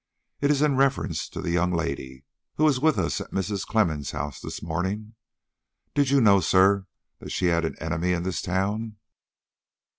It is in reference to the young lady who was with us at Mrs. Clemmens' house this morning. Did you know, sir, that she had an enemy in this town?"